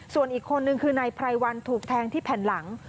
ส่วนอีกคนนึงคือนายไพรวันถูกแทงที่แผ่นหลัง